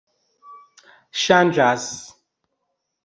ŝanĝas